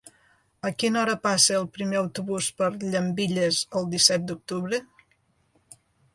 A quina hora passa el primer autobús per Llambilles el disset d'octubre?